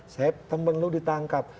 saya temen lu ditangkap